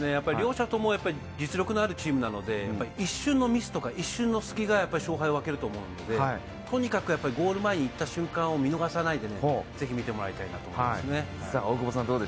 両者とも実力のあるチームなので、一瞬のミスとか、一瞬の隙が勝敗を分けると思うので、とにかくゴール前に行った瞬間を見逃さないで、ぜひ見てもらいたいなと思います。